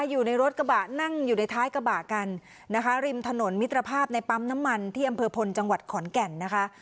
อยู่ในรถกระบะนั่งอยู่ในท้ายกระบะกันนะคะริมถนนมิตรภาพในปั๊มน้ำมันที่อำเภอพลจังหวัดขอนแก่นนะคะ